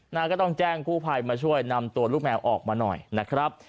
ก็ต้องแจ้งกู้ภัยมาช่วยนำตัวลูกแมวออกมาหน่อยนะครับ